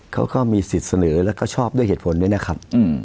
เขาก็มีสิทธิ์เสนอแล้วก็ชอบด้วยเหตุผลด้วยนะครับ